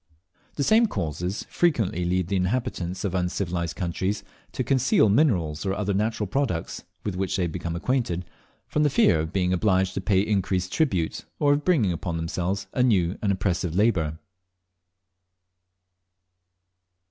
The same causes frequently lead the inhabitants of uncivilized countries to conceal minerals or other natural products with which they may become acquainted, from the fear of being obliged to pay increased tribute, or of bringing upon themselves a new and oppressive labour.